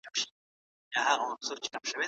د ښځو حقوق بايد په ټولنه کي خوندي سي.